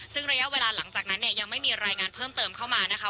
ซึ่งระยะเวลาหลังจากนั้นเนี่ยยังไม่มีรายงานเพิ่มเติมเข้ามานะคะ